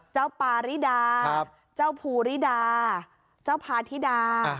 ปาริดาเจ้าภูริดาเจ้าพาธิดา